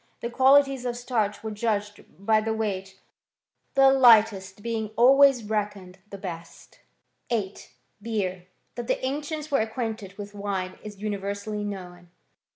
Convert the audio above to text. The qualities of starch were judged of by the weight ; the lightest being always reckoned the best. VIII. BEER. That the ancients were acquainted with wine is universally known.